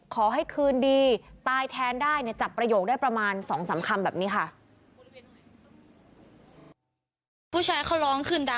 ขอให้คืนดีตายแทนได้เนี่ยจับประโยคได้ประมาณ๒๓คำแบบนี้ค่ะ